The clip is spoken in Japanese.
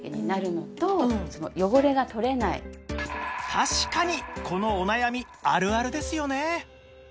確かにこのお悩みあるあるですよね